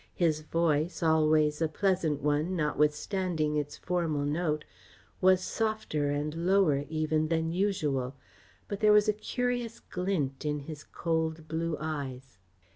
His voice, always a pleasant one notwithstanding its formal note, was softer and lower even than usual, but there was a curious glint in his cold blue eyes.